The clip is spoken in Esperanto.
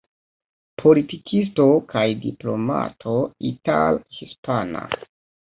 Politikisto kaj diplomato ital-hispana.